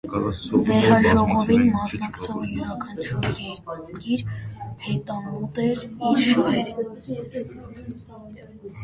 Վեհաժողովին մասնակցող յուրաքանչյուր երկիր հետամուտ էր իր շահերին։